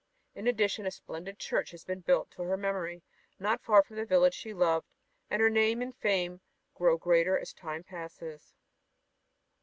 In addition a splendid church has been built to her memory not far from the village she loved. And her name and fame grow greater as time passes.